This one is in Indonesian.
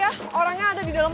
yani orangnya tidak ada olarak